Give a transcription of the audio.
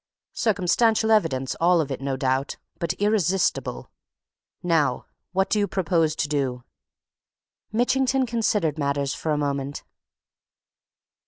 Circumstantial evidence, all of it, no doubt, but irresistible! Now, what do you propose to do?" Mitchington considered matters for a moment.